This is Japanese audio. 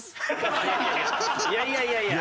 いやいやいやいや！